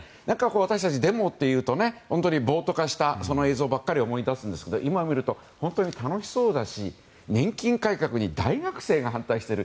私たち、デモっていうと本当に暴徒化した映像ばかり思い出すんですが今見ると、本当に楽しそうだし年金改革に大学生が反対している。